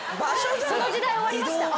その時代終わりました。